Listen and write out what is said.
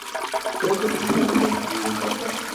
شېرګل وويل پرنګيانو کې ښه خلک هم شته.